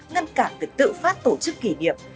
ngăn cản được tự phát tổ chức kỷ niệm